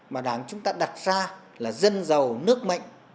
mà đảng chúng ta đặt ra là dân giàu nước mạnh